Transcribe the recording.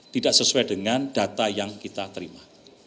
tidak sesuai dengan data yang kita terima